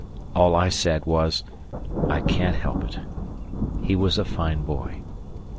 All I said was, "I can't help it." He was a fine boy.